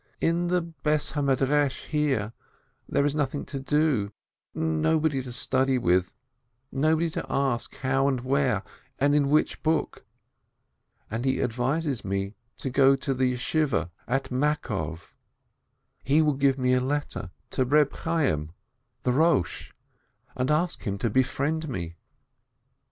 In the house of study here, there is nothing to do, nobody to study with, nobody to ask how and where, and in which book, and he advises me to go to the Academy at Makove; he will give me a letter to Eeb Chayyim, the headmaster, and ask him to befriend me."